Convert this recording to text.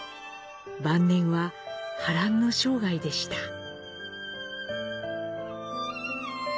晩年は波乱の生涯でした。